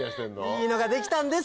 いいのが出来たんですよ！